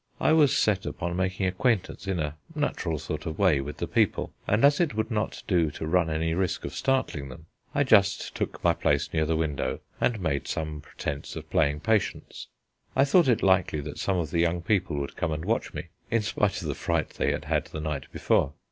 I was set upon making acquaintance in a natural sort of way with the people, and as it would not do to run any risk of startling them, I just took my place near the window and made some pretence of playing Patience. I thought it likely that some of the young people would come and watch me, in spite of the fright they had had the night before.